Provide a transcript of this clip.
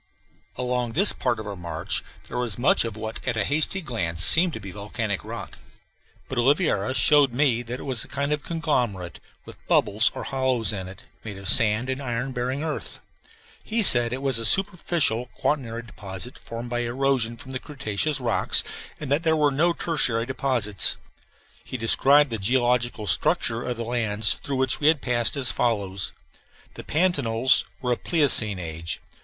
Along this part of our march there was much of what at a hasty glance seemed to be volcanic rock; but Oliveira showed me that it was a kind of conglomerate, with bubbles or hollows in it, made of sand and iron bearing earth. He said it was a superficial quaternary deposit formed by erosion from the cretaceous rocks, and that there were here no tertiary deposits. He described the geological structure of the lands through which we had passed as follows: The pantanals were of Pleistocene age.